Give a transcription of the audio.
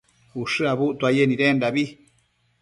ushË abuctuaye nidendabi